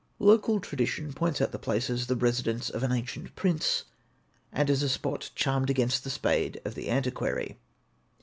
Local tradition points out the place as the residence of an ancient prince, and as a spot charmed against the spade of the antiquary.